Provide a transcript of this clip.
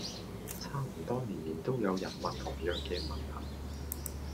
差唔多年年都有人問同樣既問題